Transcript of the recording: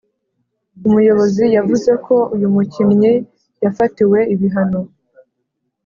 umuyobozi, yavuze ko “uyu mukinnyi yafatiwe ibihano,